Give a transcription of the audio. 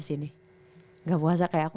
sih nih gak puasa kayak aku